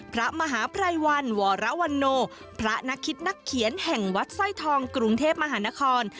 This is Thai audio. พระมหาภัยวันวรวันโนพระนักคิดนักเขียนแห่งวัดสร้อยทองกรุงเทพมหานคร